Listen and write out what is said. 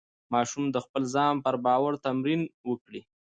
ماشوم د خپل ځان پر باور تمرین وکړي.